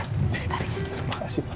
terima kasih pak